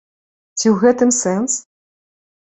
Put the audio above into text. Ці ў гэтым сэнс?